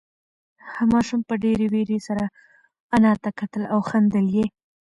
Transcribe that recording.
ماشوم په ډېرې وېرې سره انا ته کتل او خندل یې.